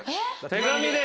手紙で？